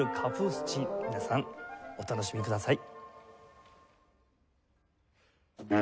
皆さんお楽しみください。